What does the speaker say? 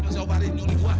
masih obarin nyuri gue